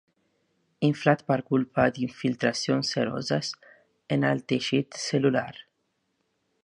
Inflat per culpa d'infiltracions seroses en el teixit cel·lular.